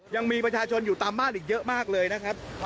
ยังมีประชาชนอยู่ตามบ้านอีกเยอะมากเลยนะครับ